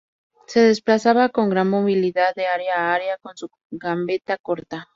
Se desplazaba con gran movilidad de área a área con su gambeta corta.